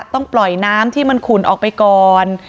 ต้องปล่อยน้ำที่มันขุ่นออกไปก่อน